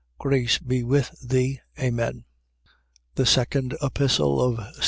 Grace be with thee. Amen. THE SECOND EPISTLE OF ST.